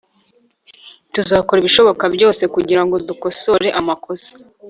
Tuzakora ibishoboka byose kugirango dukosore amakosa